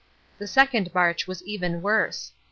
The second march was even worse.